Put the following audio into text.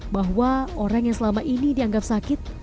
bahwa orang yang selama ini dianggap sakit